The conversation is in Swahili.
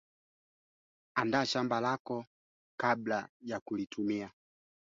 jamhuri ya kidemokrasia ya Kongo inashirikiana mipaka na